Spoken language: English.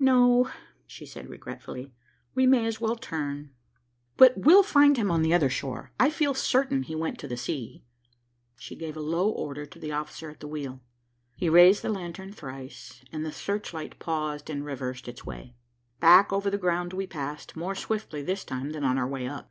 "No," she said regretfully. "We may as well turn. But we'll find him on the other shore. I feel certain he went to the sea." She gave a low order to the officer at the wheel. He raised a lantern thrice, and the search light paused and reversed its way. Back over the ground we passed, more swiftly this time than on our way up.